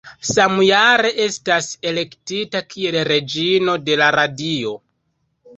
Samjare estas elektita kiel Reĝino de la Radio.